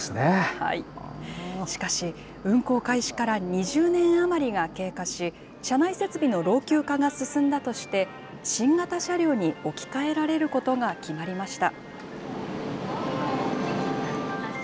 しかし、運行開始から２０年余りが経過し、車内設備の老朽化が進んだとして、新型車両に置き換えられることが決まりました。